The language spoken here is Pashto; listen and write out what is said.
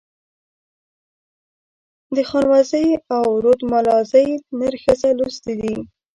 د خانوزۍ او رودملازۍ نر ښځه لوستي دي.